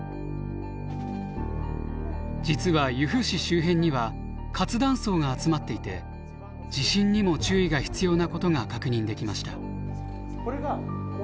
実は由布市周辺には活断層が集まっていて地震にも注意が必要なことが確認できました。